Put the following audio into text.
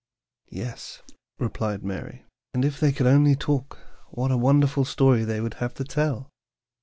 "Yes," replied Mary; "and if they could only talk, what a wonderful story they would have to tell!